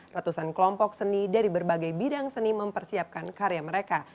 ratusan kelompok seni dari berbagai bidang seni mempersiapkan karya mereka